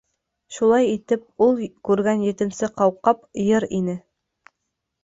Шулай итеп, ул күргән етенсе ҡауҡаб, Ер ине.